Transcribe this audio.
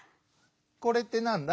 「これ」ってなんだ？